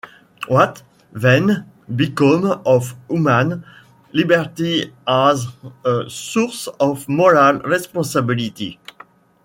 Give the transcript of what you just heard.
What, then, becomes of human liberty as a source of moral responsibility?